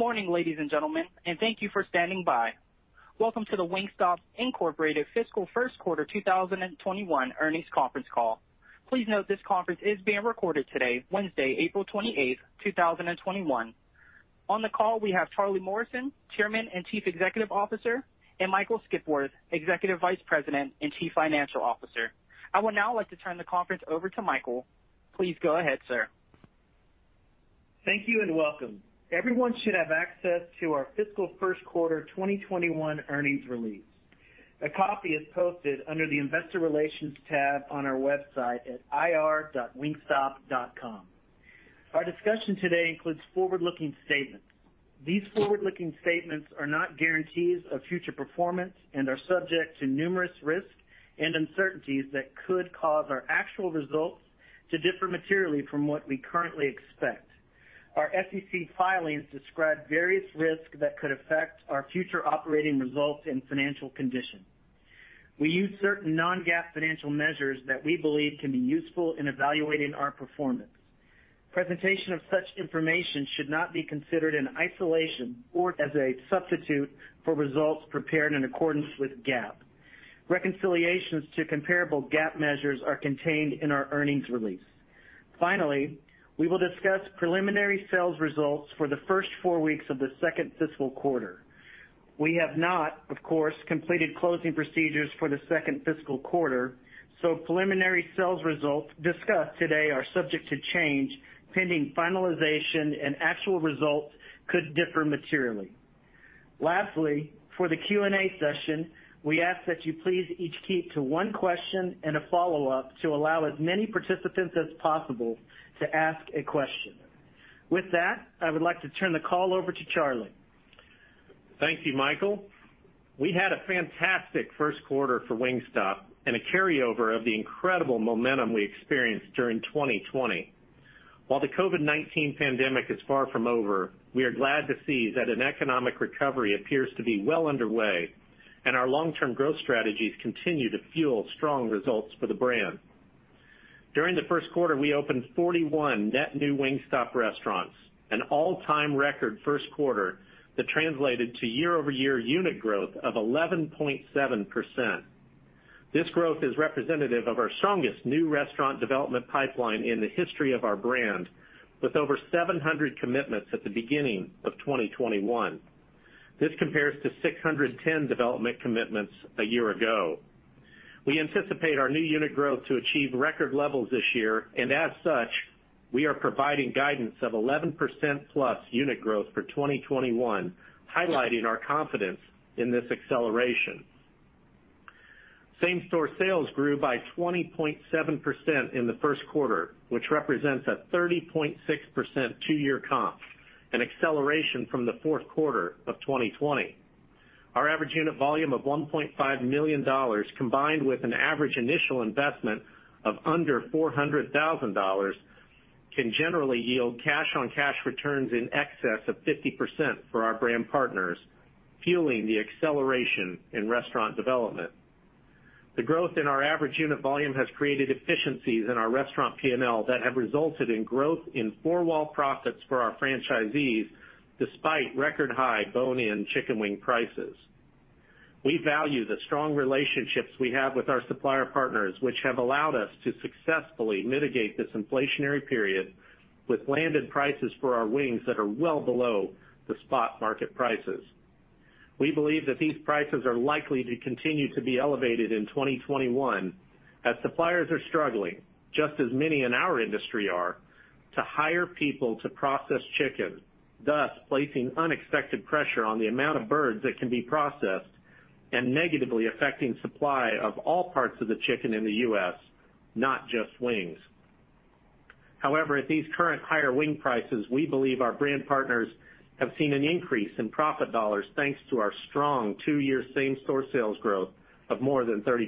Good morning, ladies and gentlemen. Thank you for standing by. Welcome to the Wingstop Inc. Fiscal First Quarter 2021 Earnings Conference Call. Please note this conference is being recorded today, Wednesday, April 28th, 2021. On the call, we have Charlie Morrison, Chairman and Chief Executive Officer, and Michael Skipworth, Executive Vice President and Chief Financial Officer. I would now like to turn the conference over to Michael. Please go ahead, sir. Thank you, and welcome. Everyone should have access to our fiscal first quarter 2021 earnings release. A copy is posted under the investor relations tab on our website at ir.wingstop.com. Our discussion today includes forward-looking statements. These forward-looking statements are not guarantees of future performance and are subject to numerous risks and uncertainties that could cause our actual results to differ materially from what we currently expect. Our SEC filings describe various risks that could affect our future operating results and financial condition. We use certain non-GAAP financial measures that we believe can be useful in evaluating our performance. Presentation of such information should not be considered in isolation or as a substitute for results prepared in accordance with GAAP. Reconciliations to comparable GAAP measures are contained in our earnings release. Finally, we will discuss preliminary sales results for the first four weeks of the second fiscal quarter. We have not, of course, completed closing procedures for the second fiscal quarter, so preliminary sales results discussed today are subject to change, pending finalization, and actual results could differ materially. Lastly, for the Q&A session, we ask that you please each keep to one question and a follow-up to allow as many participants as possible to ask a question. With that, I would like to turn the call over to Charlie. Thank you, Michael. We had a fantastic first quarter for Wingstop and a carryover of the incredible momentum we experienced during 2020. While the COVID-19 pandemic is far from over, we are glad to see that an economic recovery appears to be well underway and our long-term growth strategies continue to fuel strong results for the brand. During the first quarter, we opened 41 net new Wingstop restaurants, an all-time record first quarter that translated to year-over-year unit growth of 11.7%. This growth is representative of our strongest new restaurant development pipeline in the history of our brand, with over 700 commitments at the beginning of 2021. This compares to 610 development commitments a year ago. We anticipate our new unit growth to achieve record levels this year, and as such, we are providing guidance of 11% plus unit growth for 2021, highlighting our confidence in this acceleration. Same-store sales grew by 20.7% in Q1, which represents a 30.6% two-year comp, an acceleration from Q4 2020. Our AUV of $1.5 million, combined with an average initial investment of under $400,000, can generally yield cash-on-cash returns in excess of 50% for our brand partners, fueling the acceleration in restaurant development. The growth in our AUV has created efficiencies in our restaurant P&L that have resulted in growth in four-wall profits for our franchisees, despite record-high bone-in chicken wing prices. We value the strong relationships we have with our supplier partners, which have allowed us to successfully mitigate this inflationary period with landed prices for our wings that are well below the spot market prices. We believe that these prices are likely to continue to be elevated in 2021 as suppliers are struggling, just as many in our industry are, to hire people to process chicken, thus placing unexpected pressure on the amount of birds that can be processed and negatively affecting supply of all parts of the chicken in the U.S., not just wings. However, at these current higher wing prices, we believe our brand partners have seen an increase in profit dollars, thanks to our strong two-year same-store sales growth of more than 30%.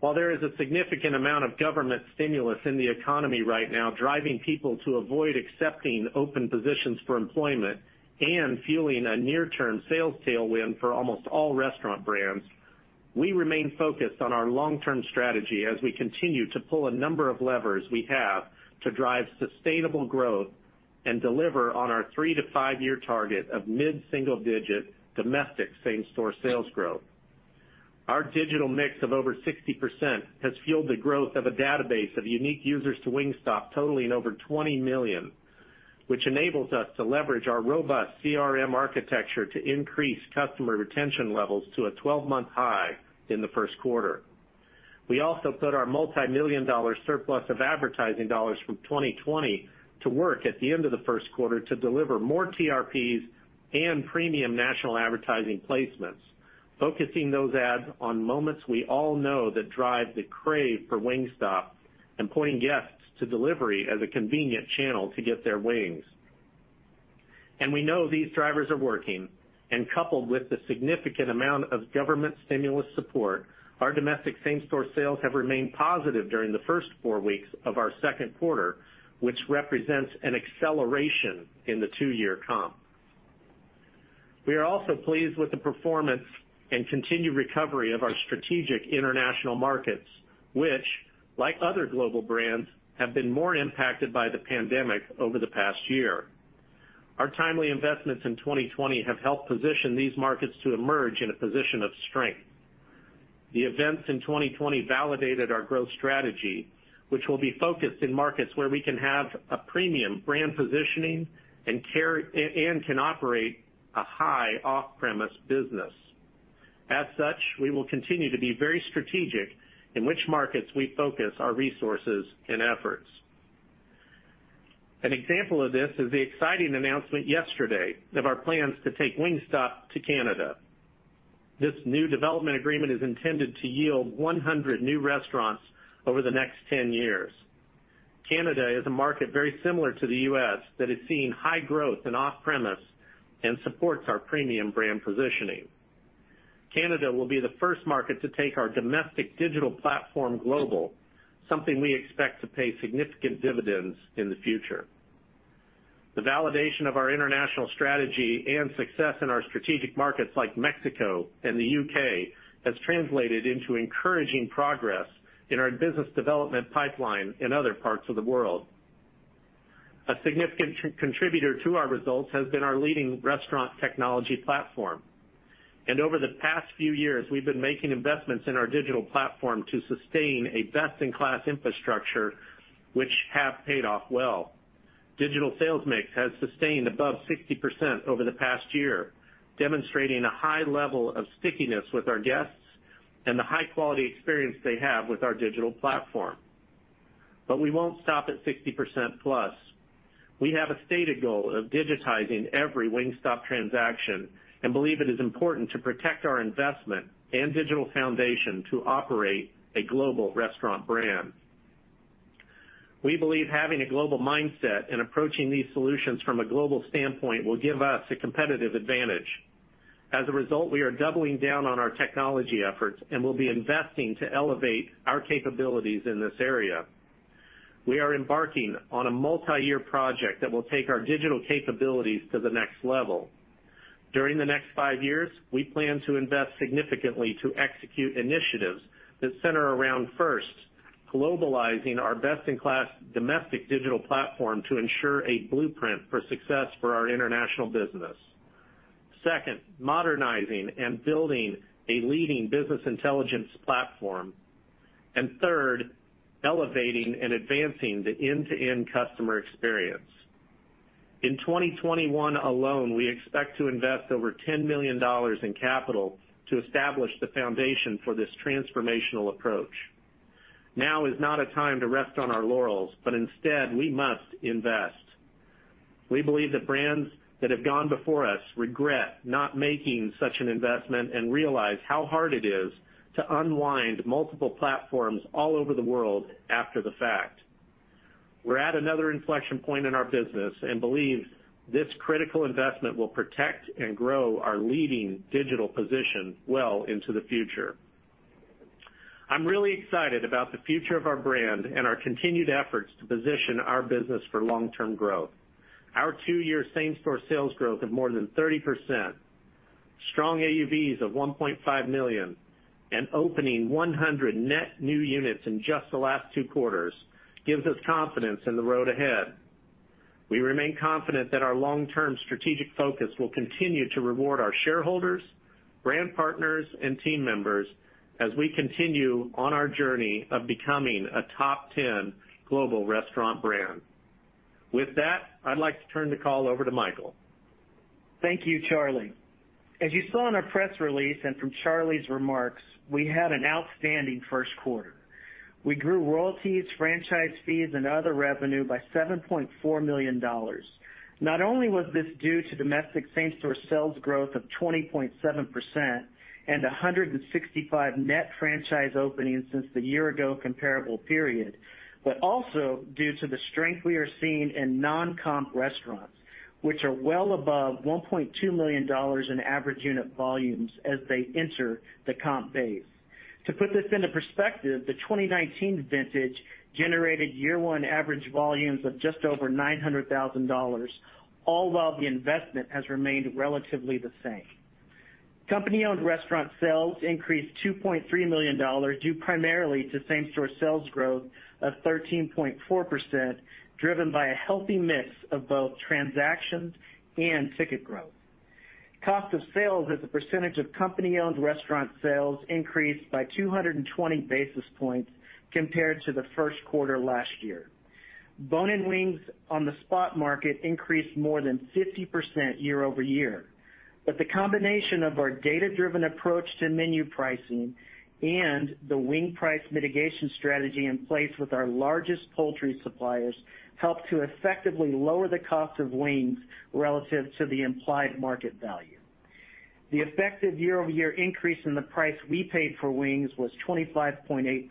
While there is a significant amount of government stimulus in the economy right now, driving people to avoid accepting open positions for employment and fueling a near-term sales tailwind for almost all restaurant brands, we remain focused on our long-term strategy as we continue to pull a number of levers we have to drive sustainable growth and deliver on our 3 to 5-year target of mid-single-digit domestic same-store sales growth. Our digital mix of over 60% has fueled the growth of a database of unique users to Wingstop totaling over 20 million, which enables us to leverage our robust CRM architecture to increase customer retention levels to a 12-month high in the first quarter. We also put our multimillion-dollar surplus of advertising dollars from 2020 to work at the end of the first quarter to deliver more TRPs and premium national advertising placements, focusing those ads on moments we all know that drive the crave for Wingstop and pointing guests to delivery as a convenient channel to get their wings. We know these drivers are working. Coupled with the significant amount of government stimulus support, our domestic same-store sales have remained positive during the first four weeks of our second quarter, which represents an acceleration in the two-year comp. We are also pleased with the performance and continued recovery of our strategic international markets, which like other global brands, have been more impacted by the pandemic over the past year. Our timely investments in 2020 have helped position these markets to emerge in a position of strength. The events in 2020 validated our growth strategy, which will be focused in markets where we can have a premium brand positioning and can operate a high off-premise business. We will continue to be very strategic in which markets we focus our resources and efforts. An example of this is the exciting announcement yesterday of our plans to take Wingstop to Canada. This new development agreement is intended to yield 100 new restaurants over the next 10 years. Canada is a market very similar to the U.S. that has seen high growth in off-premise and supports our premium brand positioning. Canada will be the first market to take our domestic digital platform global, something we expect to pay significant dividends in the future. The validation of our international strategy and success in our strategic markets like Mexico and the U.K. has translated into encouraging progress in our business development pipeline in other parts of the world. A significant contributor to our results has been our leading restaurant technology platform. Over the past few years, we've been making investments in our digital platform to sustain a best-in-class infrastructure, which have paid off well. Digital sales mix has sustained above 60% over the past year, demonstrating a high level of stickiness with our guests and the high-quality experience they have with our digital platform. We won't stop at 60%-plus. We have a stated goal of digitizing every Wingstop transaction and believe it is important to protect our investment and digital foundation to operate a global restaurant brand. We believe having a global mindset and approaching these solutions from a global standpoint will give us a competitive advantage. As a result, we are doubling down on our technology efforts and will be investing to elevate our capabilities in this area. We are embarking on a multi-year project that will take our digital capabilities to the next level. During the next five years, we plan to invest significantly to execute initiatives that center around, first, globalizing our best-in-class domestic digital platform to ensure a blueprint for success for our international business. Second, modernizing and building a leading business intelligence platform. third, elevating and advancing the end-to-end customer experience. In 2021 alone, we expect to invest over $10 million in capital to establish the foundation for this transformational approach. Now is not a time to rest on our laurels, but instead, we must invest. We believe that brands that have gone before us regret not making such an investment and realize how hard it is to unwind multiple platforms all over the world after the fact. We're at another inflection point in our business and believe this critical investment will protect and grow our leading digital position well into the future. I'm really excited about the future of our brand and our continued efforts to position our business for long-term growth. Our two-year same-store sales growth of more than 30%, strong AUVs of $1.5 million, and opening 100 net new units in just the last two quarters gives us confidence in the road ahead. We remain confident that our long-term strategic focus will continue to reward our shareholders, brand partners, and team members as we continue on our journey of becoming a top 10 global restaurant brand. With that, I'd like to turn the call over to Michael. Thank you, Charlie. As you saw in our press release and from Charlie's remarks, we had an outstanding first quarter. We grew royalties, franchise fees, and other revenue by $7.4 million. Not only was this due to domestic same-store sales growth of 20.7% and 165 net franchise openings since the year-ago comparable period, but also due to the strength we are seeing in non-comp restaurants, which are well above $1.2 million in average unit volumes as they enter the comp base. To put this into perspective, the 2019 vintage generated year-one average volumes of just over $900,000, all while the investment has remained relatively the same. Company-owned restaurant sales increased $2.3 million due primarily to same-store sales growth of 13.4%, driven by a healthy mix of both transactions and ticket growth. Cost of sales as a percentage of company-owned restaurant sales increased by 220 basis points compared to the first quarter last year. Bone-in wings on the spot market increased more than 50% year-over-year. The combination of our data-driven approach to menu pricing and the wing price mitigation strategy in place with our largest poultry suppliers helped to effectively lower the cost of wings relative to the implied market value. The effective year-over-year increase in the price we paid for wings was 25.8%.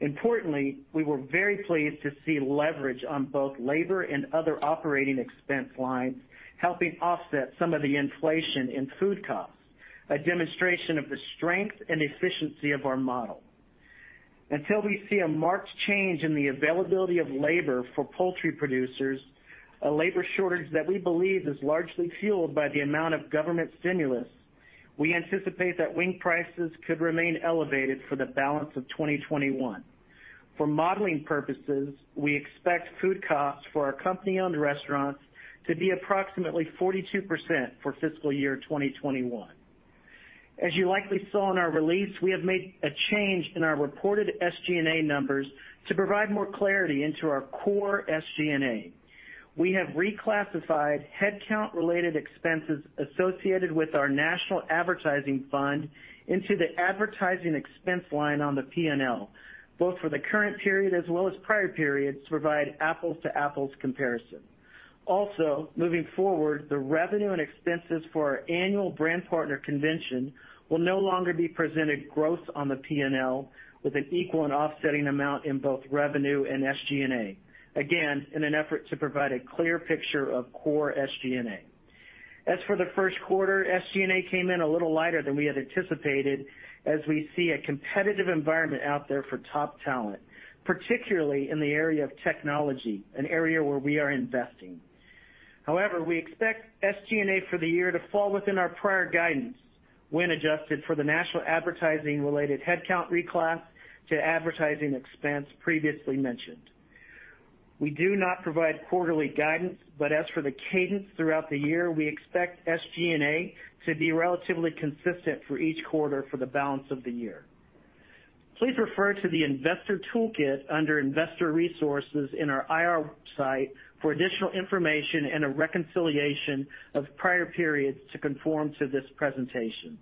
Importantly, we were very pleased to see leverage on both labor and other operating expense lines, helping offset some of the inflation in food costs, a demonstration of the strength and efficiency of our model. Until we see a marked change in the availability of labor for poultry producers, a labor shortage that we believe is largely fueled by the amount of government stimulus, we anticipate that wing prices could remain elevated for the balance of 2021. For modeling purposes, we expect food costs for our company-owned restaurants to be approximately 42% for fiscal year 2021. As you likely saw in our release, we have made a change in our reported SG&A numbers to provide more clarity into our core SG&A. We have reclassified headcount-related expenses associated with our national advertising fund into the advertising expense line on the P&L, both for the current period as well as prior periods to provide apples-to-apples comparison. Moving forward, the revenue and expenses for our annual brand partner convention will no longer be presented gross on the P&L with an equal and offsetting amount in both revenue and SG&A, again, in an effort to provide a clear picture of core SG&A. As for the first quarter, SG&A came in a little lighter than we had anticipated as we see a competitive environment out there for top talent, particularly in the area of technology, an area where we are investing. However, we expect SG&A for the year to fall within our prior guidance when adjusted for the national advertising related headcount reclass to advertising expense previously mentioned. We do not provide quarterly guidance, but as for the cadence throughout the year, we expect SG&A to be relatively consistent for each quarter for the balance of the year. Please refer to the investor toolkit under Investor Resources in our IR website for additional information and a reconciliation of prior periods to conform to this presentation.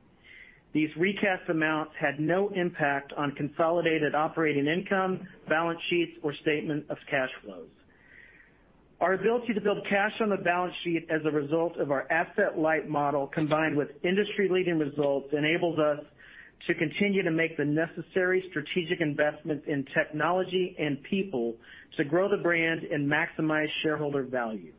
These recast amounts had no impact on consolidated operating income, balance sheets, or statement of cash flows. Our ability to build cash on the balance sheet as a result of our asset-light model, combined with industry-leading results, enables us to continue to make the necessary strategic investments in technology and people to grow the brand and maximize shareholder value.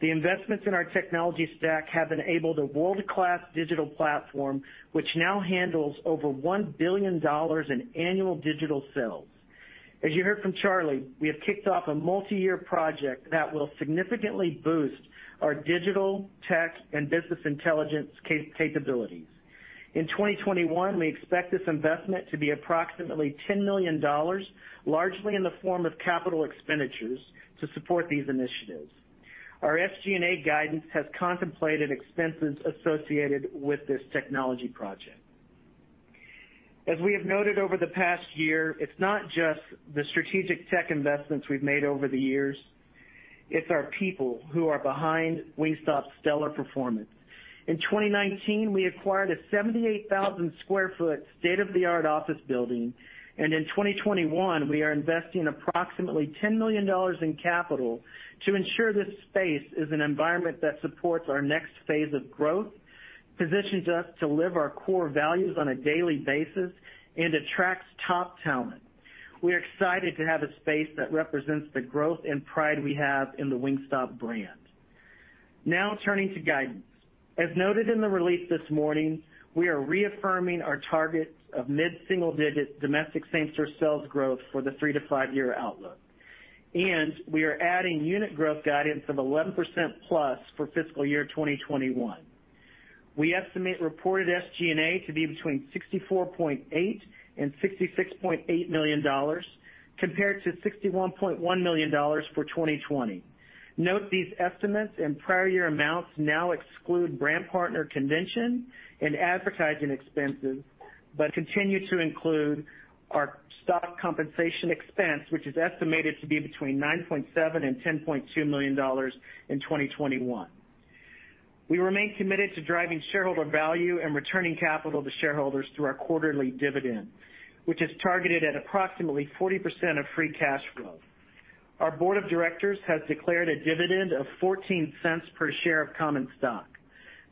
The investments in our technology stack have enabled a world-class digital platform, which now handles over $1 billion in annual digital sales. As you heard from Charlie, we have kicked off a multi-year project that will significantly boost our digital, tech, and business intelligence capabilities. In 2021, we expect this investment to be approximately $10 million, largely in the form of capital expenditures to support these initiatives. Our SG&A guidance has contemplated expenses associated with this technology project. As we have noted over the past year, it's not just the strategic tech investments we've made over the years, it's our people who are behind Wingstop's stellar performance. In 2019, we acquired a 78,000 sq ft state-of-the-art office building, and in 2021, we are investing approximately $10 million in capital to ensure this space is an environment that supports our next phase of growth, positions us to live our core values on a daily basis, and attracts top talent. We're excited to have a space that represents the growth and pride we have in the Wingstop brand. Now turning to guidance. As noted in the release this morning, we are reaffirming our targets of mid-single-digit domestic same-store sales growth for the three to five-year outlook, and we are adding unit growth guidance of 11%+ for fiscal year 2021. We estimate reported SG&A to be between $64.8 million and $66.8 million compared to $61.1 million for 2020. Note these estimates and prior year amounts now exclude brand partner convention and advertising expenses, but continue to include our stock compensation expense, which is estimated to be between $9.7 million and $10.2 million in 2021. We remain committed to driving shareholder value and returning capital to shareholders through our quarterly dividend, which is targeted at approximately 40% of free cash flow. Our board of directors has declared a dividend of $0.14 per share of common stock.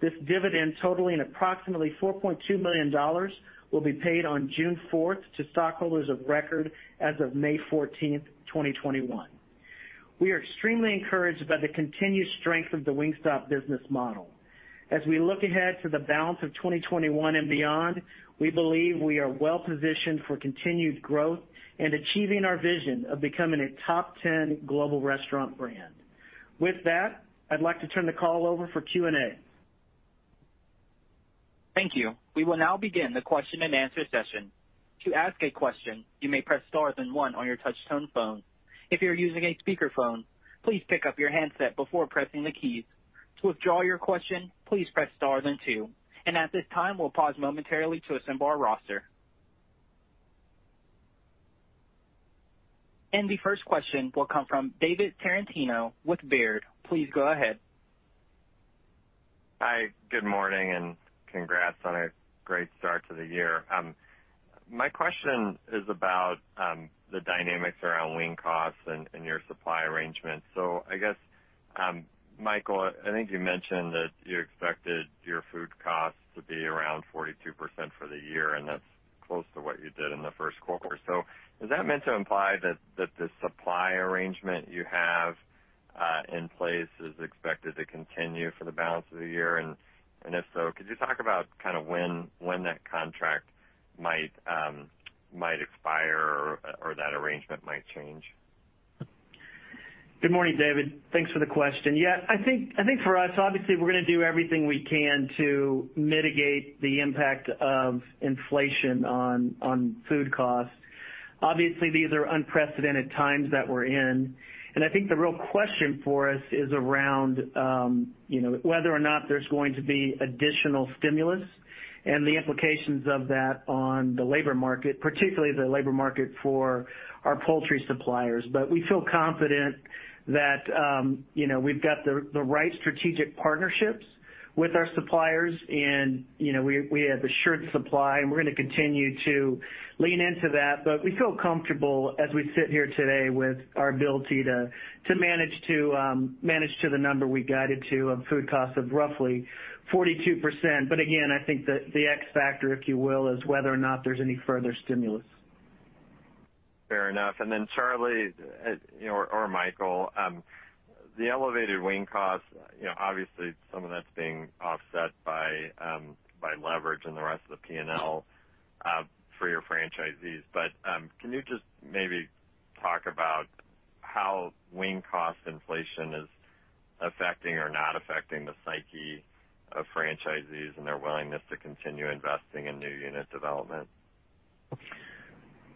This dividend totaling approximately $4.2 million will be paid on June 4th to stockholders of record as of May 14th, 2021. We are extremely encouraged by the continued strength of the Wingstop business model. As we look ahead to the balance of 2021 and beyond, we believe we are well positioned for continued growth and achieving our vision of becoming a top 10 global restaurant brand. With that, I'd like to turn the call over for Q&A. Thank you. We will now begin the question and answer session. To ask a question, you may press star then one on your touchtone phone. If you are using a speakerphone, please pick up your handset before pressing the keys. To withdraw your question, please press star then two. At this time, we'll pause momentarily to assemble our roster. The first question will come from David Tarantino with Baird. Please go ahead. Hi, good morning, and congrats on a great start to the year. My question is about the dynamics around wing costs and your supply arrangement. I guess, Michael, I think you mentioned that you expected your food costs to be around 42% for the year, and that's close to what you did in the first quarter. Is that meant to imply that the supply arrangement you have In place is expected to continue for the balance of the year? If so, could you talk about when that contract might expire or that arrangement might change? Good morning, David. Thanks for the question. I think for us, obviously, we're going to do everything we can to mitigate the impact of inflation on food costs. Obviously, these are unprecedented times that we're in, and I think the real question for us is around whether or not there's going to be additional stimulus and the implications of that on the labor market, particularly the labor market for our poultry suppliers. We feel confident that we've got the right strategic partnerships with our suppliers and we have assured supply, and we're going to continue to lean into that. We feel comfortable as we sit here today with our ability to manage to the number we guided to of food costs of roughly 42%. Again, I think that the X factor, if you will, is whether or not there's any further stimulus. Fair enough. Charlie or Michael, the elevated wing costs, obviously some of that's being offset by leverage in the rest of the P&L for your franchisees. Can you just maybe talk about how wing cost inflation is affecting or not affecting the psyche of franchisees and their willingness to continue investing in new unit development?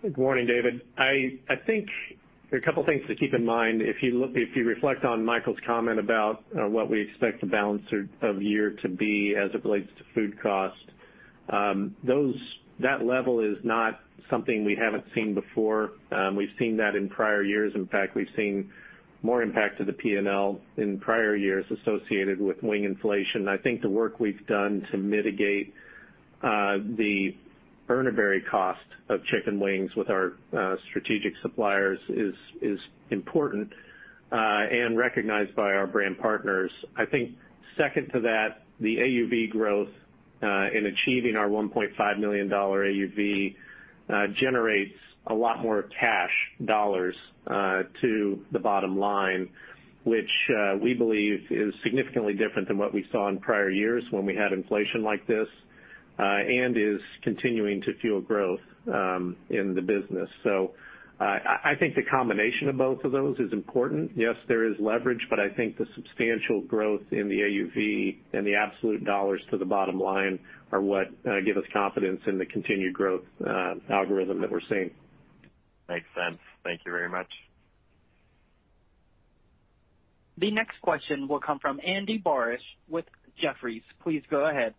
Good morning, David. I think there are a couple of things to keep in mind. If you reflect on Michael's comment about what we expect the balance of year to be as it relates to food cost, that level is not something we haven't seen before. We've seen that in prior years. In fact, we've seen more impact to the P&L in prior years associated with wing inflation. I think the work we've done to mitigate the Urner Barry cost of chicken wings with our strategic suppliers is important and recognized by our brand partners. I think second to that, the AUV growth in achieving our $1.5 million AUV generates a lot more cash dollars to the bottom line, which we believe is significantly different than what we saw in prior years when we had inflation like this and is continuing to fuel growth in the business. I think the combination of both of those is important. Yes, there is leverage, but I think the substantial growth in the AUV and the absolute dollars to the bottom line are what give us confidence in the continued growth algorithm that we're seeing. Makes sense. Thank you very much. The next question will come from Andy Barish with Jefferies. Please go ahead.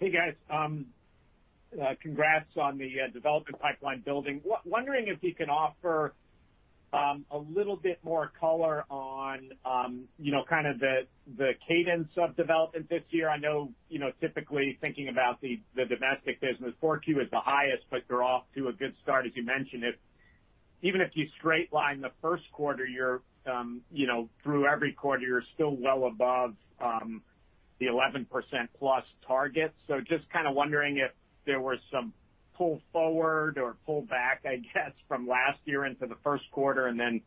Hey, guys. Congrats on the development pipeline building. Wondering if you can offer a little bit more color on the cadence of development this year. I know typically thinking about the domestic business, 4Q is the highest, but you're off to a good start, as you mentioned. Even if you straight line the first quarter, through every quarter, you're still well above the 11%-plus target. Just kind of wondering if there was some pull forward or pull back, I guess, from last year into the first quarter and then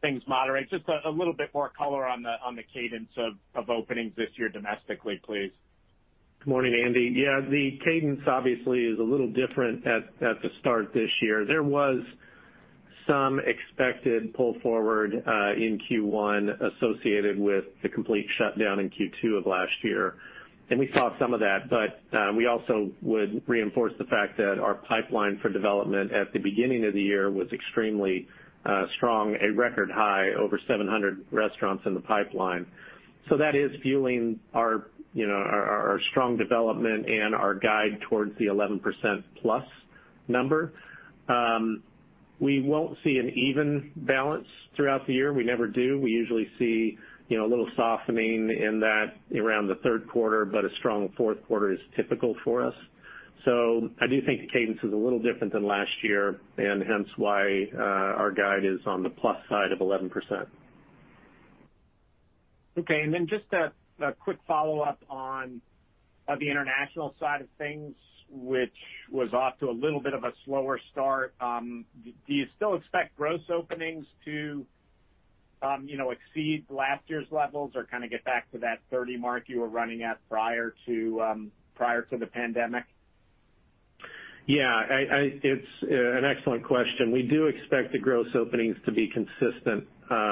things moderate. Just a little bit more color on the cadence of openings this year domestically, please. Good morning, Andy. Yeah, the cadence obviously is a little different at the start this year. There was some expected pull forward in Q1 associated with the complete shutdown in Q2 of last year, and we saw some of that. We also would reinforce the fact that our pipeline for development at the beginning of the year was extremely strong, a record high over 700 restaurants in the pipeline. That is fueling our strong development and our guide towards the 11%-plus number. We won't see an even balance throughout the year. We never do. We usually see a little softening in that around the third quarter, but a strong fourth quarter is typical for us. I do think the cadence is a little different than last year, and hence why our guide is on the plus side of 11%. Okay. Just a quick follow-up on the international side of things, which was off to a little bit of a slower start. Do you still expect gross openings to exceed last year's levels or kind of get back to that 30 mark you were running at prior to the pandemic? Yeah. It's an excellent question. We do expect the gross openings to be consistent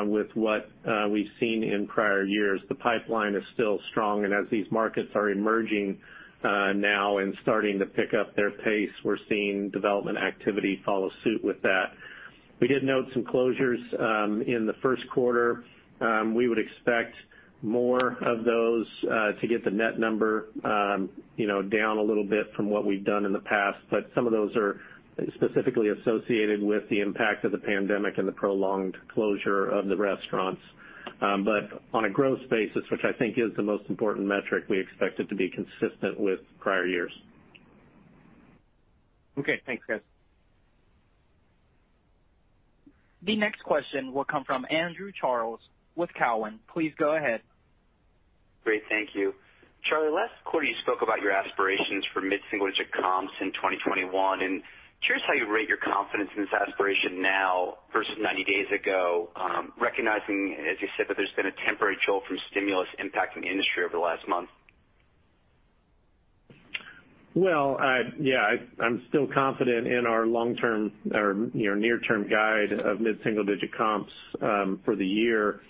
with what we've seen in prior years. The pipeline is still strong, and as these markets are emerging now and starting to pick up their pace, we're seeing development activity follow suit with that. We did note some closures in the first quarter. We would expect more of those to get the net number down a little bit from what we've done in the past. Some of those are specifically associated with the impact of the pandemic and the prolonged closure of the restaurants. On a gross basis, which I think is the most important metric, we expect it to be consistent with prior years. Okay. Thanks, guys. The next question will come from Andrew Charles with Cowen. Please go ahead. Great. Thank you. Charlie, last quarter you spoke about your aspirations for mid-single-digit comps in 2021, curious how you rate your confidence in this aspiration now versus 90 days ago, recognizing, as you said, that there's been a temporary jolt from stimulus impacting the industry over the last month. Well, yeah, I'm still confident in our near-term guide of mid-single-digit comps for the year.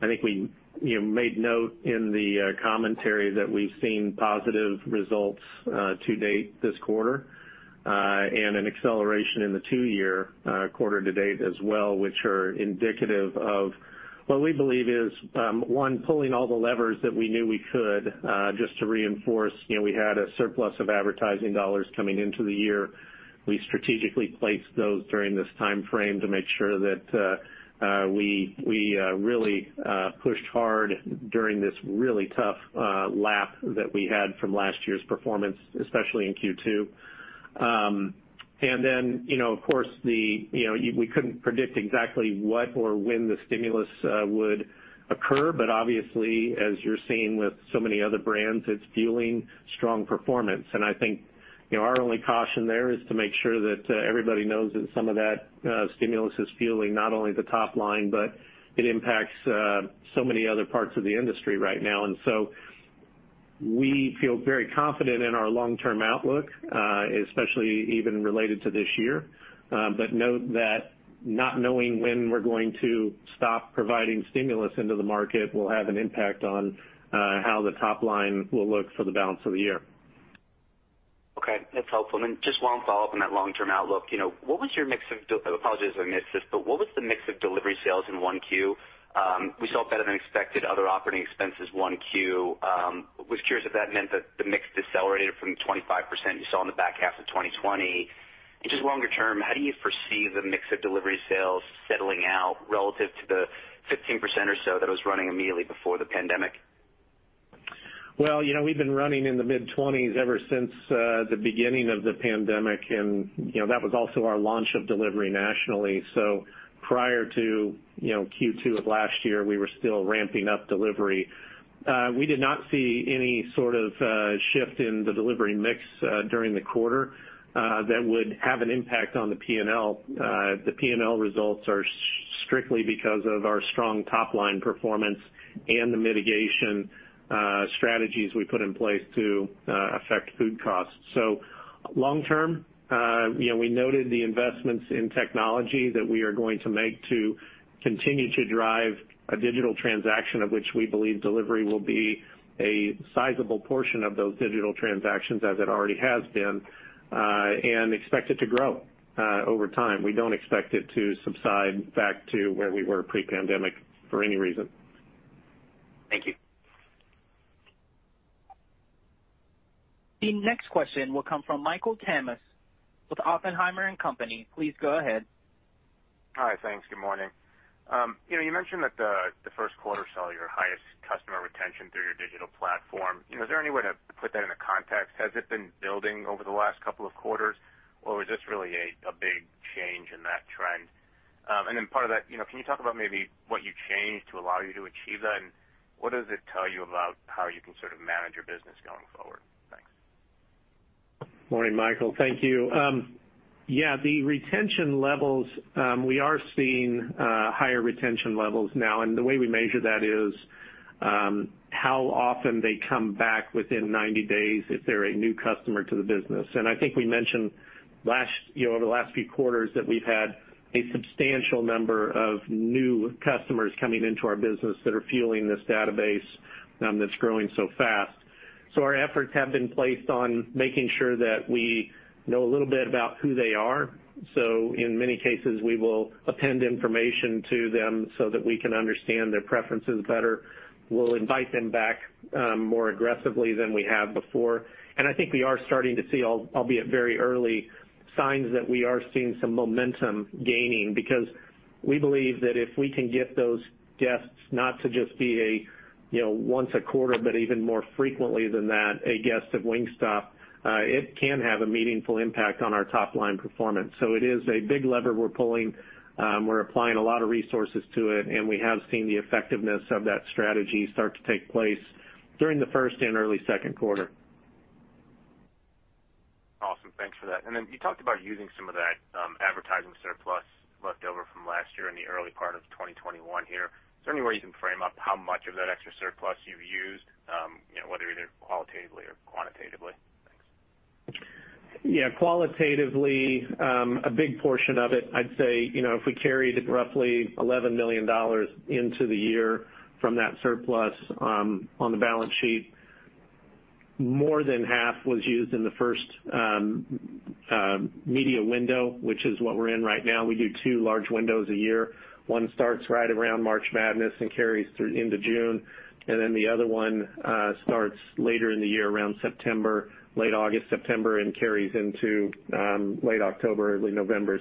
I think we made note in the commentary that we've seen positive results to date this quarter, and an acceleration in the two-year quarter to date as well, which are indicative of what we believe is, one, pulling all the levers that we knew we could. Just to reinforce, we had a surplus of advertising dollars coming into the year. We strategically placed those during this timeframe to make sure that we really pushed hard during this really tough lap that we had from last year's performance, especially in Q2. Of course, we couldn't predict exactly what or when the stimulus would occur, but obviously, as you're seeing with so many other brands, it's fueling strong performance. I think, our only caution there is to make sure that everybody knows that some of that stimulus is fueling not only the top line, but it impacts so many other parts of the industry right now. So we feel very confident in our long-term outlook, especially even related to this year. Note that not knowing when we're going to stop providing stimulus into the market will have an impact on how the top line will look for the balance of the year. Okay. That's helpful. Then just one follow-up on that long-term outlook. I apologize if I missed this, but what was the mix of delivery sales in 1Q? We saw better than expected other operating expenses 1Q. Was curious if that meant that the mix decelerated from 25% you saw in the back half of 2020. Just longer term, how do you foresee the mix of delivery sales settling out relative to the 15% or so that was running immediately before the pandemic? We've been running in the mid-20s ever since the beginning of the pandemic, and that was also our launch of delivery nationally. Prior to Q2 of last year, we were still ramping up delivery. We did not see any sort of shift in the delivery mix during the quarter that would have an impact on the P&L. The P&L results are strictly because of our strong top-line performance and the mitigation strategies we put in place to affect food costs. Long term, we noted the investments in technology that we are going to make to continue to drive a digital transaction, of which we believe delivery will be a sizable portion of those digital transactions as it already has been, and expect it to grow over time. We don't expect it to subside back to where we were pre-pandemic for any reason. Thank you. The next question will come from Michael Tamas with Oppenheimer & Co. Please go ahead. Hi. Thanks. Good morning. You mentioned that the first quarter saw your highest customer retention through your digital platform. Is there any way to put that into context? Has it been building over the last couple of quarters, or was this really a big change in that trend? Part of that, can you talk about maybe what you changed to allow you to achieve that, and what does it tell you about how you can sort of manage your business going forward? Thanks. Morning, Michael. Thank you. Yeah, the retention levels, we are seeing higher retention levels now. The way we measure that is how often they come back within 90 days if they're a new customer to the business. I think we mentioned over the last few quarters that we've had a substantial number of new customers coming into our business that are fueling this database that's growing so fast. Our efforts have been placed on making sure that we know a little bit about who they are. In many cases, we will append information to them so that we can understand their preferences better. We'll invite them back more aggressively than we have before. I think we are starting to see, albeit very early, signs that we are seeing some momentum gaining, because we believe that if we can get those guests not to just be a once a quarter, but even more frequently than that, a guest of Wingstop, it can have a meaningful impact on our top-line performance. It is a big lever we're pulling. We're applying a lot of resources to it, and we have seen the effectiveness of that strategy start to take place during the first and early second quarter. Awesome. Thanks for that. You talked about using some of that advertising surplus leftover from last year in the early part of 2021 here. Is there any way you can frame up how much of that extra surplus you've used, whether either qualitatively or quantitatively? Thanks. Yeah. Qualitatively, a big portion of it, I'd say, if we carried roughly $11 million into the year from that surplus on the balance sheet, more than half was used in the first media window, which is what we are in right now. We do two large windows a year. One starts right around March Madness and carries through into June. The other one starts later in the year, around September, late August, September, and carries into late October, early November.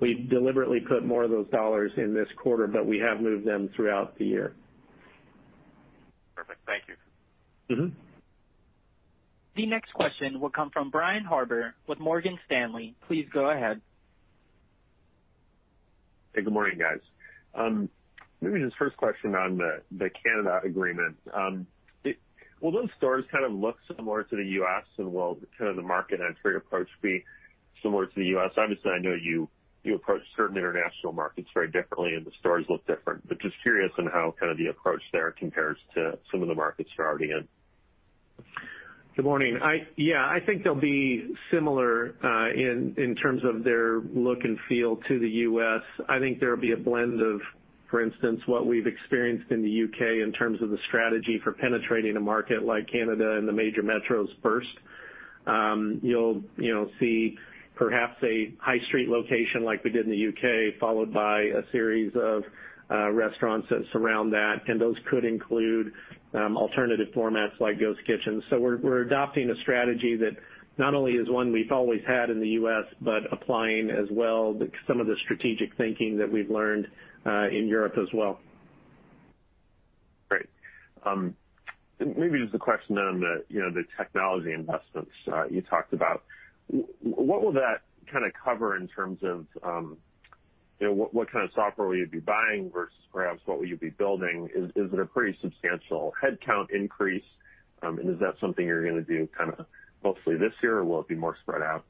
We deliberately put more of those dollars in this quarter, but we have moved them throughout the year. Perfect. Thank you. The next question will come from Brian Harbour with Morgan Stanley. Please go ahead. Hey, good morning, guys. Maybe this first question on the Canada agreement. Will those stores kind of look similar to the U.S. and will the market entry approach be similar to the U.S.? Obviously, I know you approach certain international markets very differently and the stores look different, but just curious on how the approach there compares to some of the markets you're already in. Good morning. I think they'll be similar in terms of their look and feel to the U.S. I think there will be a blend of, for instance, what we've experienced in the U.K. in terms of the strategy for penetrating a market like Canada and the major metros first. You'll see perhaps a high street location like we did in the U.K., followed by a series of restaurants that surround that, and those could include alternative formats like ghost kitchens. We're adopting a strategy that not only is one we've always had in the U.S., but applying as well some of the strategic thinking that we've learned in Europe as well. Great. Maybe just a question on the technology investments you talked about. What will that cover in terms of what kind of software will you be buying versus perhaps what will you be building? Is it a pretty substantial headcount increase, and is that something you're going to do mostly this year, or will it be more spread out?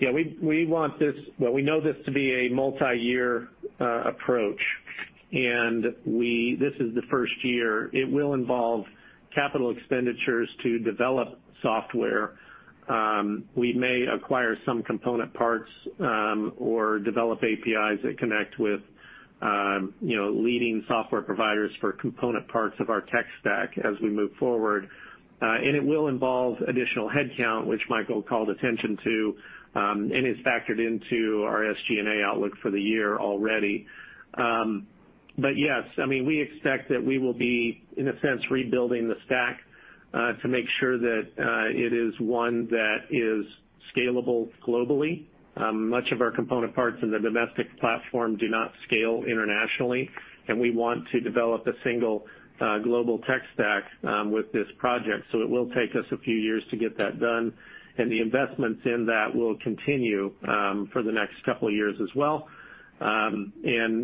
Yeah, we know this to be a multi-year approach, and this is the first year. It will involve capital expenditures to develop software. We may acquire some component parts or develop APIs that connect with leading software providers for component parts of our tech stack as we move forward. It will involve additional headcount, which Michael called attention to, and is factored into our SG&A outlook for the year already. Yes, we expect that we will be, in a sense, rebuilding the stack to make sure that it is one that is scalable globally. Much of our component parts in the domestic platform do not scale internationally, and we want to develop a single global tech stack with this project, so it will take us a few years to get that done, and the investments in that will continue for the next couple of years as well.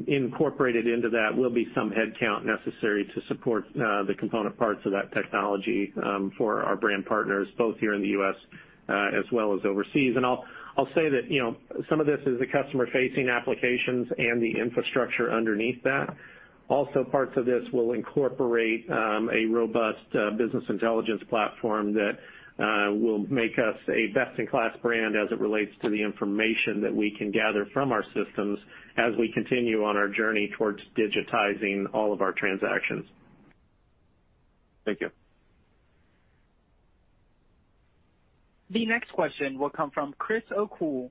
Incorporated into that will be some headcount necessary to support the component parts of that technology for our brand partners, both here in the U.S. as well as overseas. I'll say that some of this is the customer-facing applications and the infrastructure underneath that. Parts of this will incorporate a robust business intelligence platform that will make us a best-in-class brand as it relates to the information that we can gather from our systems as we continue on our journey towards digitizing all of our transactions. Thank you. The next question will come from Chris O'Cull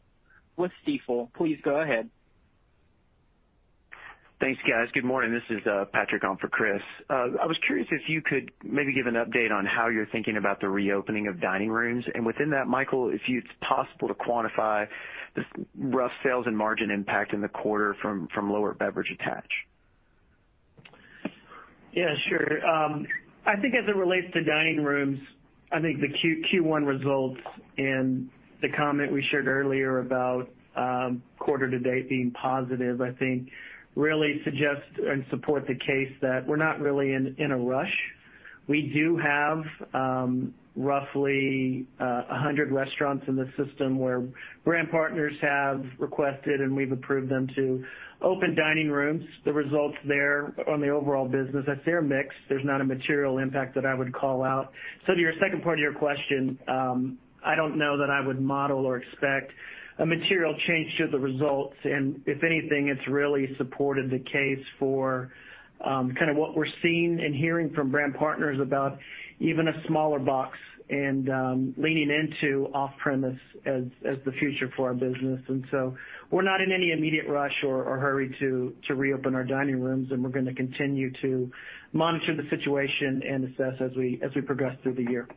with Stifel. Please go ahead. Thanks, guys. Good morning. This is Patrick on for Chris. I was curious if you could maybe give an update on how you're thinking about the reopening of dining rooms, and within that, Michael, if it's possible to quantify the rough sales and margin impact in the quarter from lower beverage attach. Yeah, sure. I think as it relates to dining rooms, I think the Q1 results and the comment we shared earlier about quarter to date being positive, I think really suggest and support the case that we're not really in a rush. We do have roughly 100 restaurants in the system where brand partners have requested, and we've approved them to open dining rooms. The results there on the overall business, that they're mixed. There's not a material impact that I would call out. To your second part of your question, I don't know that I would model or expect a material change to the results, and if anything, it's really supported the case for what we're seeing and hearing from brand partners about even a smaller box and leaning into off-premise as the future for our business. We're not in any immediate rush or hurry to reopen our dining rooms, and we're going to continue to monitor the situation and assess as we progress through the year.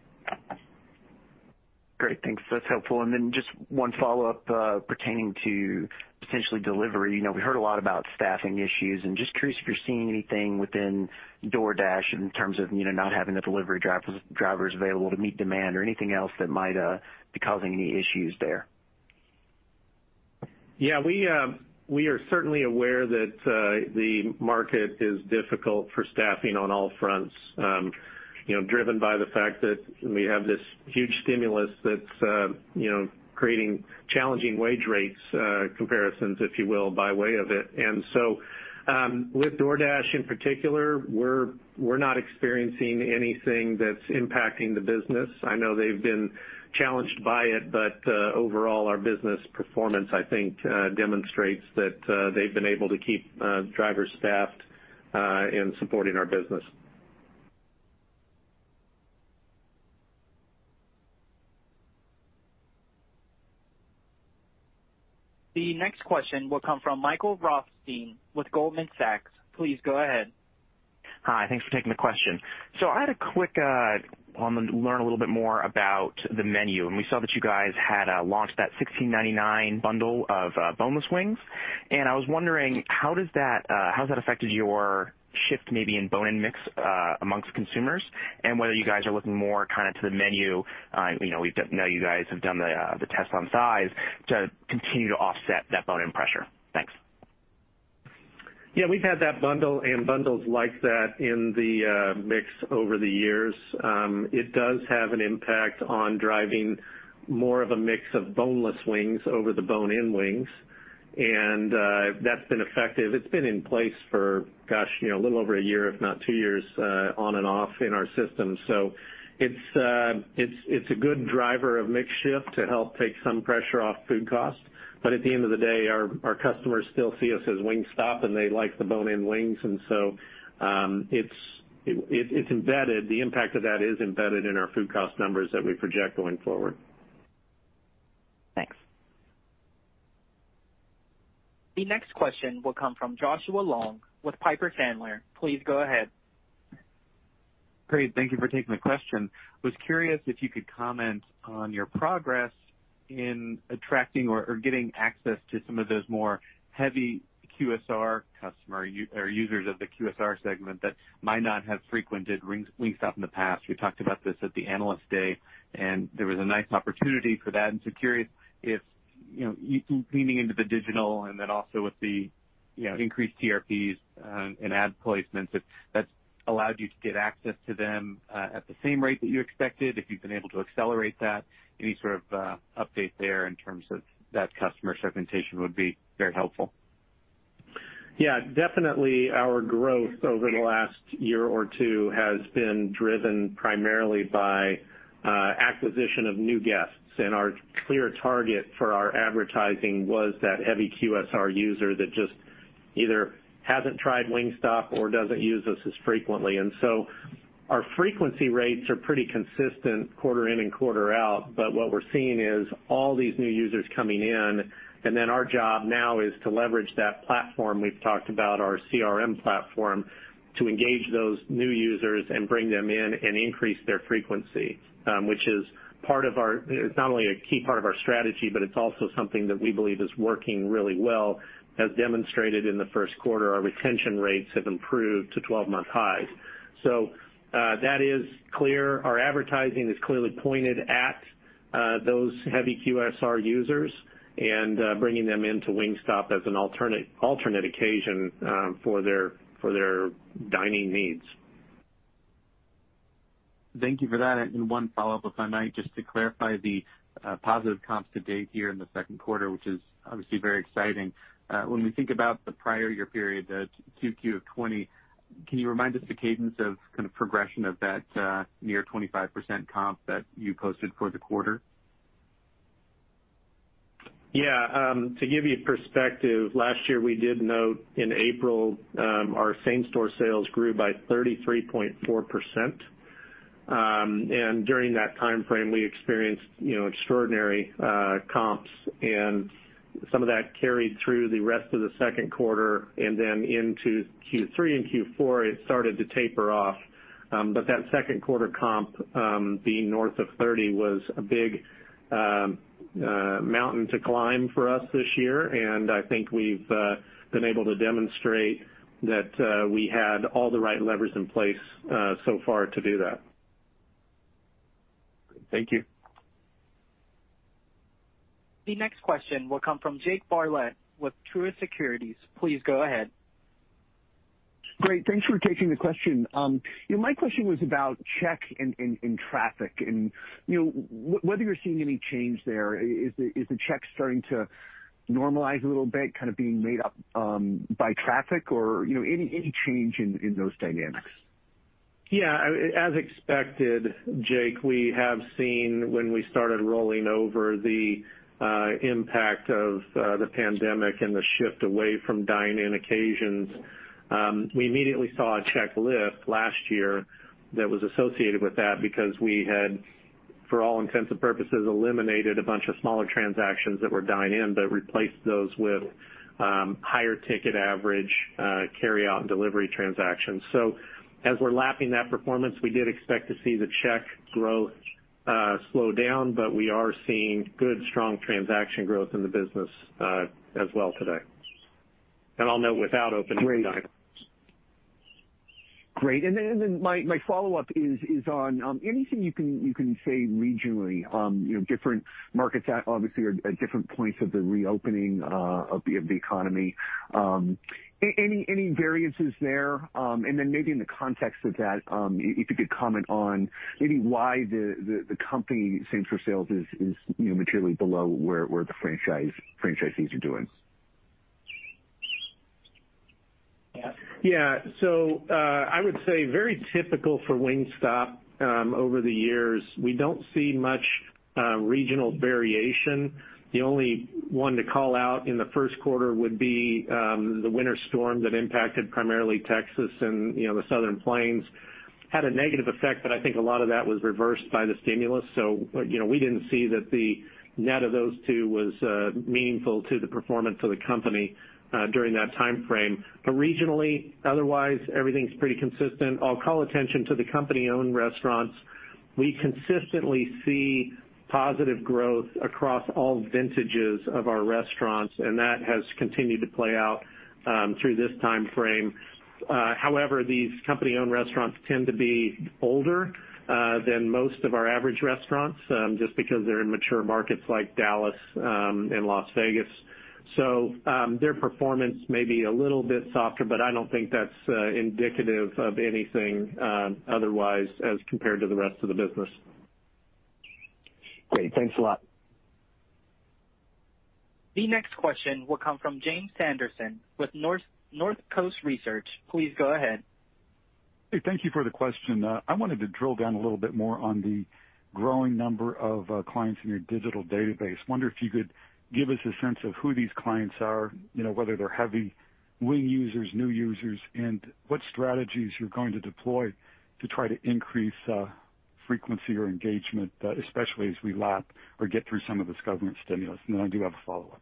Great. Thanks. That's helpful. Just one follow-up pertaining to potentially delivery. We heard a lot about staffing issues, and just curious if you're seeing anything within DoorDash in terms of not having the delivery drivers available to meet demand or anything else that might be causing any issues there. Yeah, we are certainly aware that the market is difficult for staffing on all fronts, driven by the fact that we have this huge stimulus that's creating challenging wage rates comparisons, if you will, by way of it. With DoorDash in particular, we're not experiencing anything that's impacting the business. I know they've been challenged by it, but overall, our business performance, I think, demonstrates that they've been able to keep drivers staffed in supporting our business. The next question will come from Michael Rothstein with Goldman Sachs. Please go ahead. Hi. Thanks for taking the question. I want to learn a little bit more about the menu, and we saw that you guys had launched that $16.99 bundle of boneless wings, and I was wondering how has that affected your shift maybe in bone-in mix amongst consumers, and whether you guys are looking more to the menu, we know you guys have done the test on size, to continue to offset that bone-in pressure. Thanks. We've had that bundle and bundles like that in the mix over the years. It does have an impact on driving more of a mix of boneless wings over the bone-in wings, and that's been effective. It's been in place for a little over a year, if not two years, on and off in our system. It's a good driver of mix shift to help take some pressure off food cost. At the end of the day, our customers still see us as Wingstop, and they like the bone-in wings, and so it's embedded. The impact of that is embedded in our food cost numbers that we project going forward. Thanks. The next question will come from Joshua Long with Piper Sandler. Please go ahead. Great. Thank you for taking the question. Was curious if you could comment on your progress in attracting or getting access to some of those more heavy QSR customer or users of the QSR segment that might not have frequented Wingstop in the past? We talked about this at the Analyst Day, and there was a nice opportunity for that, and so curious if, leaning into the digital and then also with the increased TRPs and ad placements, if that's allowed you to get access to them at the same rate that you expected, if you've been able to accelerate that? Any sort of update there in terms of that customer segmentation would be very helpful. Yeah, definitely our growth over the last year or two has been driven primarily by acquisition of new guests, and our clear target for our advertising was that heavy QSR user that just either hasn't tried Wingstop or doesn't use us as frequently. Our frequency rates are pretty consistent quarter in and quarter out, but what we're seeing is all these new users coming in, and then our job now is to leverage that platform. We've talked about our CRM platform to engage those new users and bring them in and increase their frequency. It's not only a key part of our strategy, but it's also something that we believe is working really well. As demonstrated in the first quarter, our retention rates have improved to 12-month highs. That is clear. Our advertising is clearly pointed at those heavy QSR users and bringing them into Wingstop as an alternate occasion for their dining needs. Thank you for that. One follow-up, if I might, just to clarify the positive comps to date here in the second quarter, which is obviously very exciting. When we think about the prior year period, the 2Q of 2020, can you remind us the cadence of kind of progression of that near 25% comp that you posted for the quarter? Yeah. To give you perspective, last year, we did note in April, our same-store sales grew by 33.4%. During that timeframe, we experienced extraordinary comps and some of that carried through the rest of the second quarter, into Q3 and Q4, it started to taper off. That second quarter comp, being north of 30, was a big mountain to climb for us this year, I think we've been able to demonstrate that we had all the right levers in place so far to do that. Thank you. The next question will come from Jake Bartlett with Truist Securities. Please go ahead. Great. Thanks for taking the question. My question was about check in traffic and whether you're seeing any change there. Is the check starting to normalize a little bit, kind of being made up by traffic or any change in those dynamics? Yeah. As expected, Jake, we have seen when we started rolling over the impact of the pandemic and the shift away from dine-in occasions. We immediately saw a check lift last year that was associated with that because we had, for all intents and purposes, eliminated a bunch of smaller transactions that were dine-in, but replaced those with higher ticket average carryout and delivery transactions. As we're lapping that performance, we did expect to see the check growth slow down, but we are seeing good, strong transaction growth in the business as well today. And I'll note, without opening diners. Great. My follow-up is on anything you can say regionally, different markets obviously are at different points of the reopening of the economy. Any variances there? Maybe in the context of that, if you could comment on maybe why the company same-store sales is materially below where the franchisees are doing. Yeah. I would say very typical for Wingstop, over the years. We don't see much regional variation. The only one to call out in the first quarter would be the winter storm that impacted primarily Texas and the Southern Plains. Had a negative effect, but I think a lot of that was reversed by the stimulus, so we didn't see that the net of those two was meaningful to the performance of the company during that timeframe. Regionally, otherwise, everything's pretty consistent. I'll call attention to the company-owned restaurants. We consistently see positive growth across all vintages of our restaurants, and that has continued to play out through this time frame. However, these company-owned restaurants tend to be older than most of our average restaurants, just because they're in mature markets like Dallas and Las Vegas. Their performance may be a little bit softer, but I don't think that's indicative of anything otherwise as compared to the rest of the business. Great. Thanks a lot. The next question will come from James Salera with Northcoast Research. Please go ahead. Hey, thank you for the question. I wanted to drill down a little bit more on the growing number of clients in your digital database. Wonder if you could give us a sense of who these clients are, whether they're heavy wing users, new users, and what strategies you're going to deploy to try to increase frequency or engagement, especially as we lap or get through some of this government stimulus. I do have a follow-up.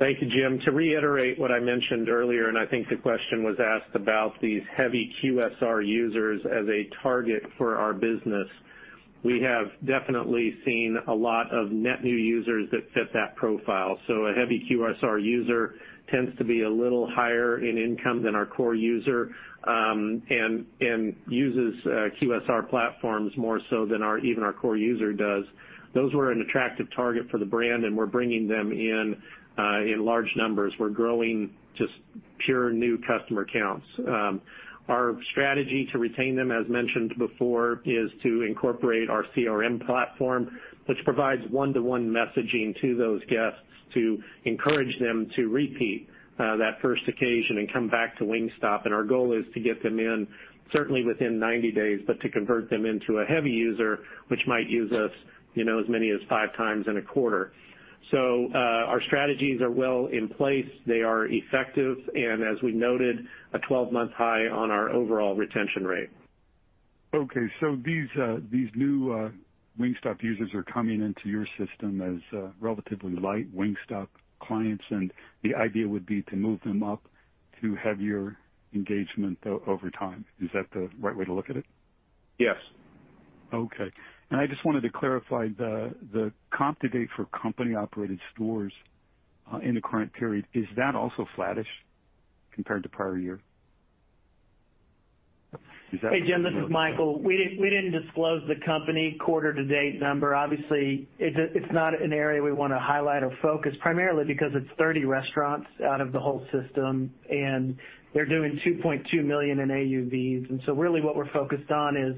Thank you, Jim. To reiterate what I mentioned earlier, and I think the question was asked about these heavy QSR users as a target for our business. We have definitely seen a lot of net new users that fit that profile. A heavy QSR user tends to be a little higher in income than our core user, and uses QSR platforms more so than even our core user does. Those were an attractive target for the brand, and we're bringing them in large numbers. We're growing just pure new customer counts. Our strategy to retain them, as mentioned before, is to incorporate our CRM platform, which provides one-to-one messaging to those guests to encourage them to repeat that first occassion and come back to Wingstop. Our goal is to get them in certainly within 90 days, but to convert them into a heavy user, which might use us as many as five times in a quarter. Our strategies are well in place. They are effective, and as we noted, a 12-month high on our overall retention rate. These new Wingstop users are coming into your system as relatively light Wingstop clients, and the idea would be to move them up to heavier engagement over time. Is that the right way to look at it? Yes. Okay. I just wanted to clarify the comp to date for company-operated stores in the current period. Is that also flattish compared to prior year? Hey, Jim, this is Michael. We didn't disclose the company quarter to date number. Obviously, it's not an area we want to highlight or focus, primarily because it's 30 restaurants out of the whole system, and they're doing $2.2 million in AUVs. Really what we're focused on is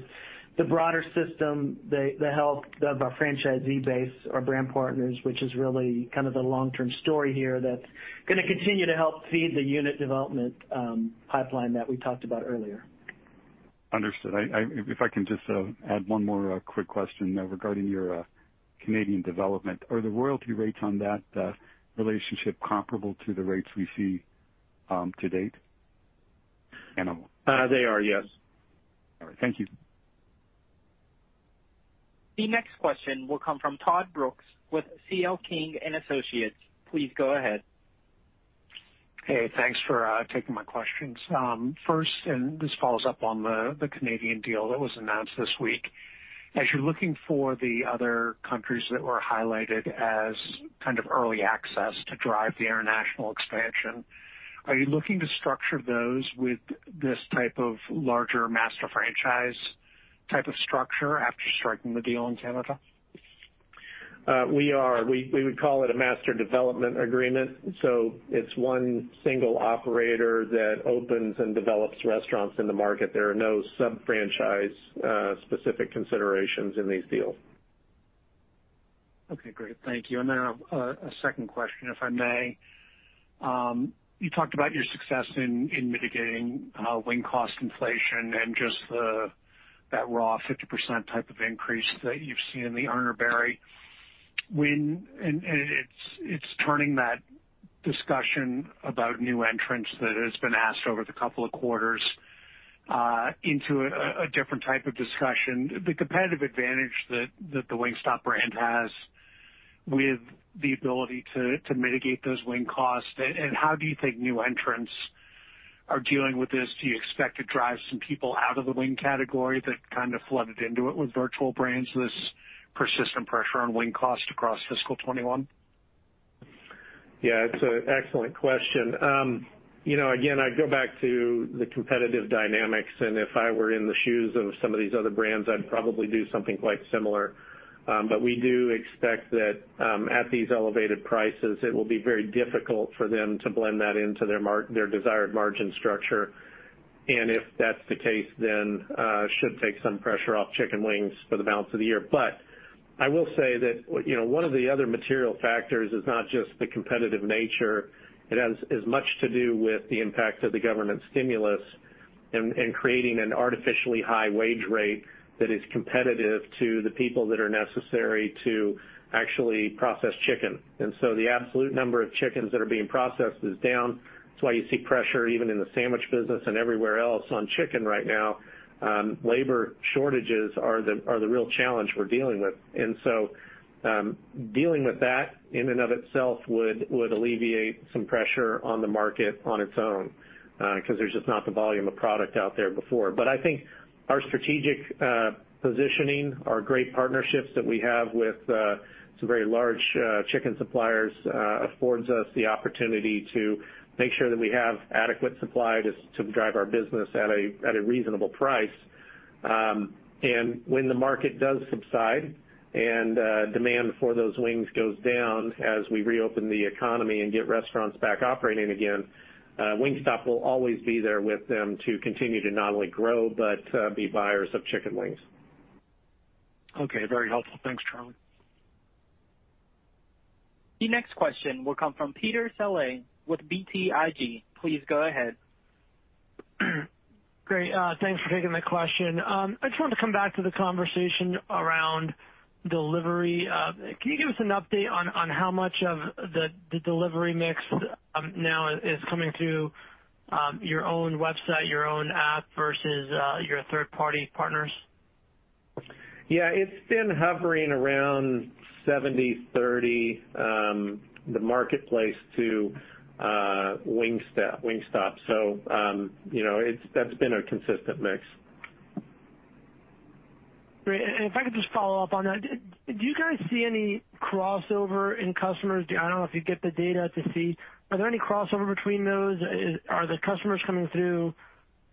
the broader system, the health of our franchisee base, our brand partners, which is really the long-term story here that's going to continue to help feed the unit development pipeline that we talked about earlier. Understood. If I can just add one more quick question regarding your Canadian development. Are the royalty rates on that relationship comparable to the rates we see to date? They are, yes. All right. Thank you. The next question will come from Todd Brooks with CL King & Associates. Please go ahead. Hey, thanks for taking my questions. First, this follows up on the Canadian deal that was announced this week. As you're looking for the other countries that were highlighted as kind of early access to drive the international expansion, are you looking to structure those with this type of larger master franchise type of structure after striking the deal in Canada? We are. We would call it a master development agreement. It's one single operator that opens and develops restaurants in the market. There are no sub-franchise specific considerations in these deals. Okay, great. Thank you. A second question, if I may. You talked about your success in mitigating wing cost inflation and just that raw 50% type of increase that you've seen in the Urner Barry wing, turning that discussion about new entrants that has been asked over the couple of quarters into a different type of discussion. The competitive advantage that the Wingstop brand has with the ability to mitigate those wing costs, how do you think new entrants are dealing with this? Do you expect to drive some people out of the wing category that kind of flooded into it with virtual brands, this persistent pressure on wing cost across fiscal 2021? Yeah, it's an excellent question. Again, I'd go back to the competitive dynamics, and if I were in the shoes of some of these other brands, I'd probably do something quite similar. We do expect that at these elevated prices, it will be very difficult for them to blend that into their desired margin structure. If that's the case, then should take some pressure off chicken wings for the balance of the year. I will say that one of the other material factors is not just the competitive nature, it has as much to do with the impact of the government stimulus and creating an artificially high wage rate that is competitive to the people that are necessary to actually process chicken. The absolute number of chickens that are being processed is down. That's why you see pressure even in the sandwich business and everywhere else on chicken right now. Labor shortages are the real challenge we're dealing with. Dealing with that in and of itself would alleviate some pressure on the market on its own. Because there's just not the volume of product out there before. I think our strategic positioning, our great partnerships that we have with some very large chicken suppliers, affords us the opportunity to make sure that we have adequate supply to drive our business at a reasonable price. When the market does subside and demand for those wings goes down as we reopen the economy and get restaurants back operating again, Wingstop will always be there with them to continue to not only grow but be buyers of chicken wings. Okay, very helpful. Thanks, Charlie. The next question will come from Peter Saleh with BTIG. Please go ahead. Great. Thanks for taking the question. I just wanted to come back to the conversation around delivery. Can you give us an update on how much of the delivery mix now is coming through your own website, your own app, versus your third-party partners? Yeah, it's been hovering around 70/30, the marketplace to Wingstop. That's been a consistent mix. Great. If I could just follow up on that, do you guys see any crossover in customers? I don't know if you get the data to see. Are there any crossover between those? Are the customers coming through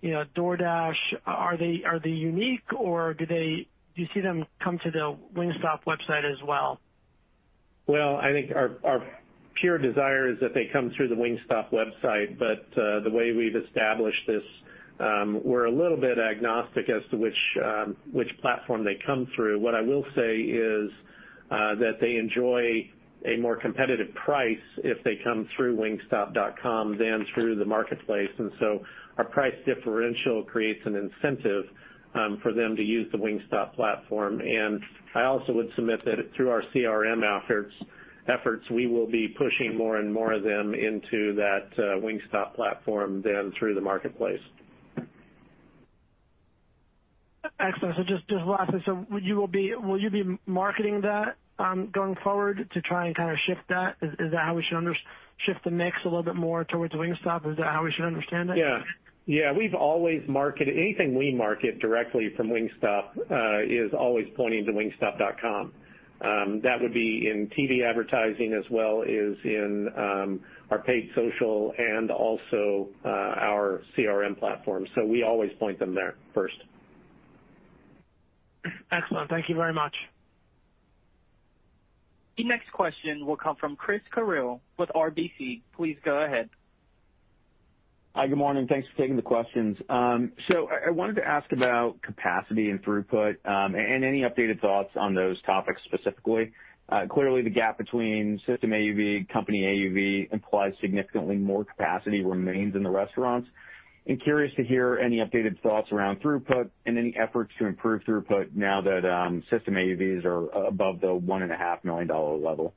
DoorDash, are they unique, or do you see them come to the Wingstop website as well? I think our pure desire is that they come through the Wingstop website, but the way we've established this, we're a little bit agnostic as to which platform they come through. What I will say is that they enjoy a more competitive price if they come through wingstop.com than through the marketplace. Our price differential creates an incentive for them to use the Wingstop platform. I also would submit that through our CRM efforts, we will be pushing more and more of them into that Wingstop platform than through the marketplace. Excellent. Just last question. Will you be marketing that going forward to try and kind of shift that? Shift the mix a little bit more towards Wingstop? Is that how we should understand that? Yeah. We've always marketed, anything we market directly from Wingstop, is always pointing to wingstop.com. That would be in TV advertising as well as in our paid social and also our CRM platform. We always point them there first. Excellent. Thank you very much. The next question will come from Christopher Carril with RBC. Please go ahead. Hi. Good morning. Thanks for taking the questions. I wanted to ask about capacity and throughput, and any updated thoughts on those topics specifically. Clearly the gap between system AUV, company AUV implies significantly more capacity remains in the restaurants. Curious to hear any updated thoughts around throughput and any efforts to improve throughput now that system AUVs are above the $1.5 million level.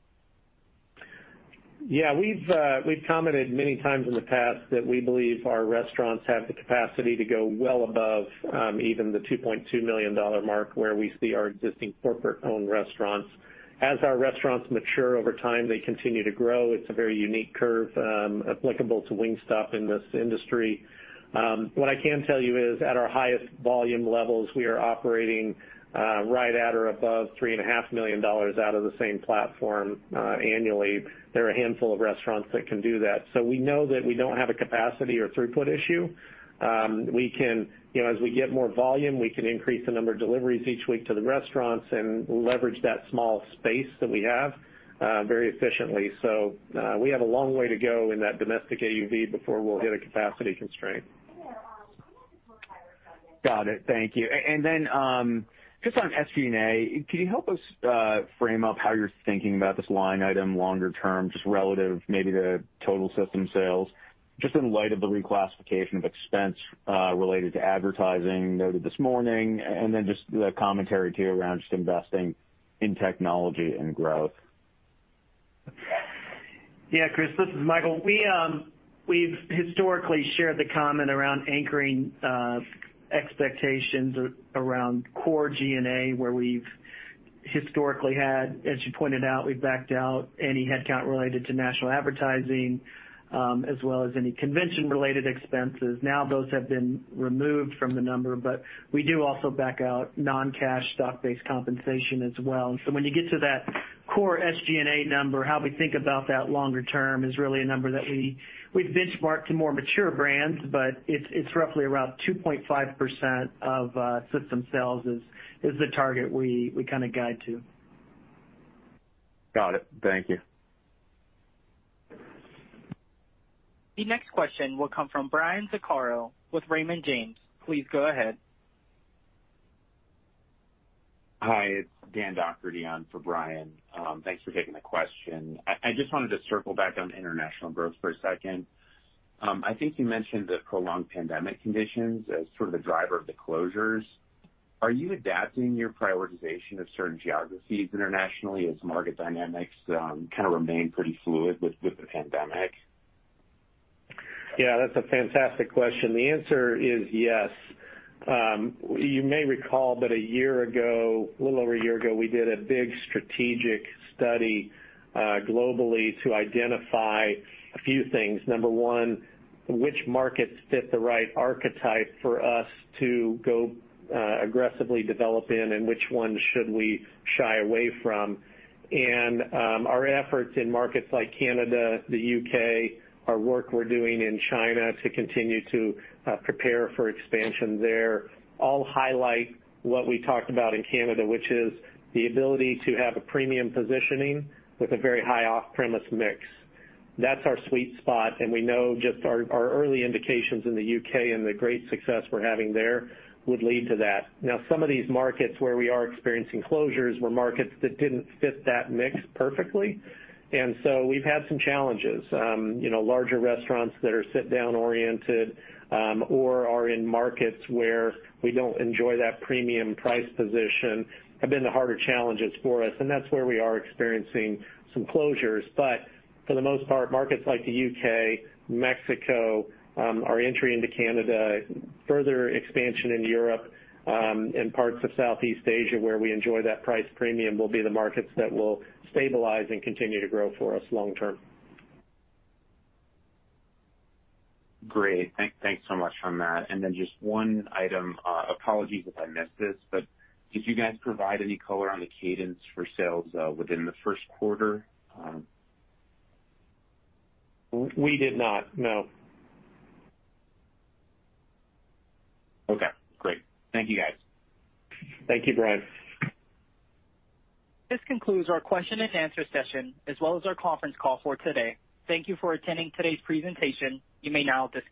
Yeah, we've commented many times in the past that we believe our restaurants have the capacity to go well above even the $2.2 million mark where we see our existing corporate-owned restaurants. As our restaurants mature over time, they continue to grow. It's a very unique curve applicable to Wingstop in this industry. What I can tell you is, at our highest volume levels, we are operating right at or above $3.5 million out of the same platform annually. There are a handful of restaurants that can do that. We know that we don't have a capacity or throughput issue. As we get more volume, we can increase the number of deliveries each week to the restaurants and leverage that small space that we have very efficiently. We have a long way to go in that domestic AUV before we'll hit a capacity constraint. Got it. Thank you. Just on SG&A, can you help us frame up how you're thinking about this line item longer term, just relative maybe to total system sales, just in light of the reclassification of expense related to advertising noted this morning, and then just the commentary too around just investing in technology and growth? Yeah, Chris, this is Michael. We've historically shared the comment around anchoring expectations around core G&A, where we've historically had, as you pointed out, we've backed out any headcount related to national advertising, as well as any convention-related expenses. Now those have been removed from the number. We do also back out non-cash stock-based compensation as well. When you get to that core SG&A number, how we think about that longer term is really a number that we've benchmarked to more mature brands, but it's roughly around 2.5% of system sales is the target we kind of guide to. Got it. Thank you. The next question will come from Brian Vaccaro with Raymond James. Please go ahead. Hi, it's Dan Docherty on for Brian. Thanks for taking the question. I just wanted to circle back on international growth for a second. I think you mentioned the prolonged pandemic conditions as sort of the driver of the closures. Are you adapting your prioritization of certain geographies internationally as market dynamics kind of remain pretty fluid with the pandemic? Yeah, that's a fantastic question. The answer is yes. You may recall that one year ago, a little over one year ago, we did a big strategic study globally to identify a few things. Number one, which markets fit the right archetype for us to go aggressively develop in, and which ones should we shy away from. Our efforts in markets like Canada, the U.K., our work we're doing in China to continue to prepare for expansion there, all highlight what we talked about in Canada, which is the ability to have a premium positioning with a very high off-premise mix. That's our sweet spot, and we know just our early indications in the U.K. and the great success we're having there would lead to that. Some of these markets where we are experiencing closures were markets that didn't fit that mix perfectly, and so we've had some challenges. Larger restaurants that are sit-down oriented, or are in markets where we don't enjoy that premium price position have been the harder challenges for us, and that's where we are experiencing some closures. For the most part, markets like the U.K., Mexico, our entry into Canada, further expansion in Europe, and parts of Southeast Asia where we enjoy that price premium will be the markets that will stabilize and continue to grow for us long term. Great. Thanks so much on that. Then just one item, apologies if I missed this, but did you guys provide any color on the cadence for sales within the first quarter? We did not, no. Okay, great. Thank you guys. Thank you, Brian. This concludes our question and answer session, as well as our conference call for today. Thank you for attending today's presentation. You may now disconnect.